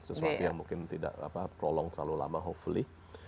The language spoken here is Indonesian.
sesuatu yang mungkin tidak prolong terlalu lama hopefully